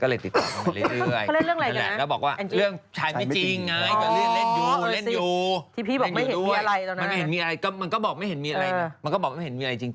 ก็เร็ว